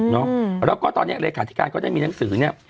แล้วก็ตอนนี้เลขาธิการก็ได้มีหนังสือเนี่ย